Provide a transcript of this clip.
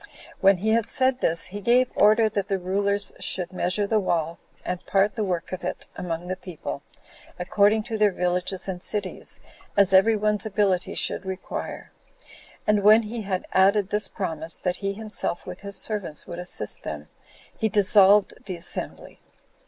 When he had said this, he gave order that the rulers should measure the wall, and part the work of it among the people, according to their villages and cities, as every one's ability should require. And when he had added this promise, that he himself, with his servants, would assist them, he dissolved the assembly.